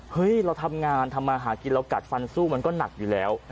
เราทำงานทำมาหากินเรากัดฟันสู้มันก็หนักอยู่แล้ว